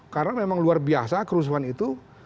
karena memang luar biasa kerusuhan itu